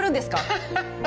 ハハハ！